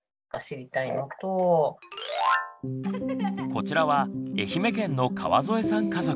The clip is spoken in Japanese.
こちらは愛媛県の川添さん家族。